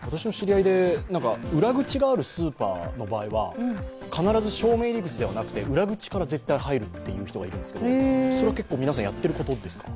私の知り合いで裏口があるスーパーの場合は必ず正面入り口ではなくて裏口から絶対入るという人がいるんですけどそれは結構、皆さんやってることですか？